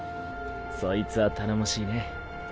そいつは頼もしいね。